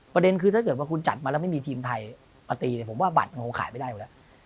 ประเด็นคือถ้าเกิดว่าคุณจัดมาแล้วไม่มีทีมไทยมาตีเนี่ยผมว่าบัตรมันคงขายไม่ได้อยู่แล้ว